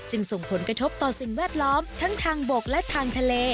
ส่งผลกระทบต่อสิ่งแวดล้อมทั้งทางบกและทางทะเล